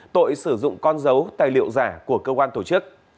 tội sử dụng con dấu tài liệu giả của cơ quan tổ chức